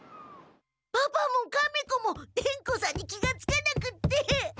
パパもカメ子も伝子さんに気がつかなくって！